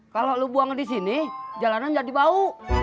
kalau lu buang di sini jalanan jadi bau